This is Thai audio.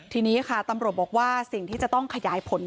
ทีนี้ค่ะตำรวจบอกว่าสิ่งที่จะต้องขยายผล